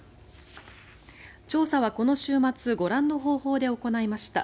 調査はこの週末ご覧の方法で行いました。